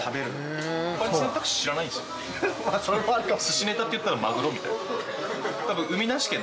それもあるかも。